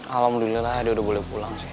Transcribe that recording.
alhamdulillah dia udah boleh pulang sih